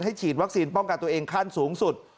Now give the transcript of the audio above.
ฉีดวัคซีนป้องกันตัวเองขั้นสูงสุด